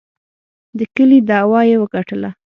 د کلي دعوه یې وګټله.